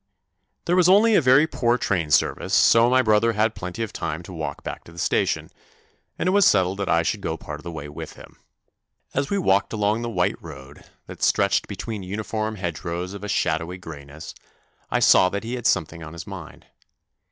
There was only a very poor train service, so my brother had plenty of time to walk back to the station, and it was settled that I should go part of the way with him. As we walked along the white road, that stretched between uniform hedgerows of a shadowy greyness, I saw that he had something on his mind.